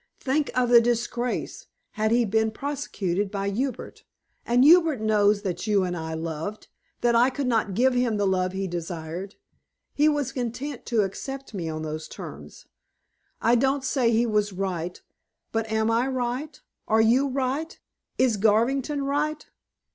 Think of the disgrace, had he been prosecuted by Hubert. And Hubert knows that you and I loved; that I could not give him the love he desired. He was content to accept me on those terms. I don't say he was right; but am I right, are you right, is Garvington right?